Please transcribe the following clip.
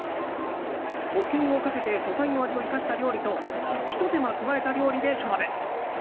保険をかけて素材の味を生かした料理とひと手間加えた料理で勝負。